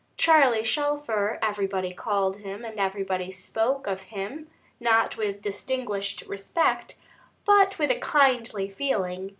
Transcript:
"Charley Shelfer" everybody called him, and everybody spoke of him, not with distinguished respect, but with a kindly feeling.